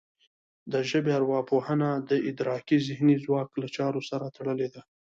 د ژبې ارواپوهنه د ادراکي ذهني ځواک له چارو سره تړلې ده